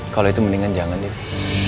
kalo itu mendingan jangan ya